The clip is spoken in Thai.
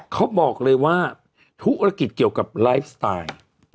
เขาบอกเลยว่าธุรกิจเกี่ยวกับไลฟ์สไตล์